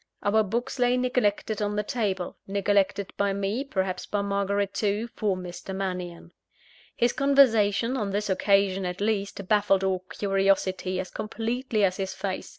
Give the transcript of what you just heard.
Our books lay neglected on the table neglected by me, perhaps by Margaret too, for Mr. Mannion. His conversation, on this occasion at least, baffled all curiosity as completely as his face.